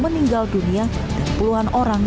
meninggal dunia dan puluhan orang